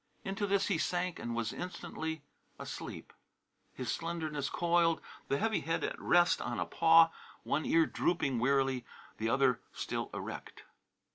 Into this he sank and was instantly asleep, his slenderness coiled, the heavy head at rest on a paw, one ear drooping wearily, the other still erect.